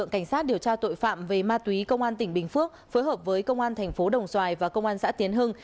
cảnh sát điều tra tội phạm về ma túy công an tỉnh bình phước phối hợp với công an thành phố đồng xoài và công an xã tiến hưng